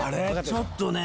ちょっとね。